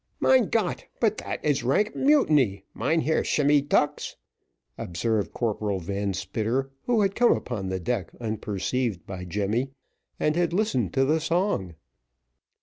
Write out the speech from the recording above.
"Mein Gott! but dat is rank mutiny, Mynheer Shemmy Tucks," observed Corporal Van Spitter, who had come upon the deck unperceived by Jemmy, and had listened to the song.